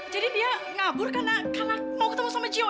jadi dia ngabur karena mau ketemu sama jiho